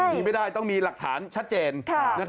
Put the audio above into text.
มีไม่ได้ต้องมีหลักฐานชัดเจน